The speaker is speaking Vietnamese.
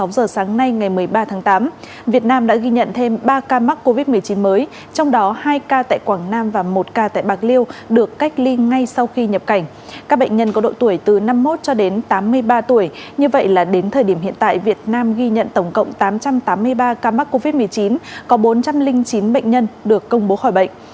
các bệnh nhân có độ tuổi từ năm mươi một cho đến tám mươi ba tuổi như vậy là đến thời điểm hiện tại việt nam ghi nhận tổng cộng tám trăm tám mươi ba ca mắc covid một mươi chín có bốn trăm linh chín bệnh nhân được công bố khỏi bệnh